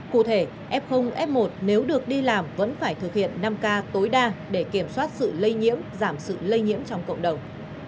cụ thể f f một nếu được đi làm vẫn phải thực hiện năm k tối đa để kiểm soát sự lây nhiễm giảm sự lây nhiễm trong cộng đồng